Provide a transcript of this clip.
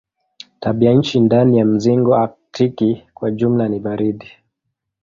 Tabianchi ndani ya mzingo aktiki kwa jumla ni baridi.